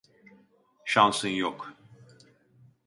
Şansın yok.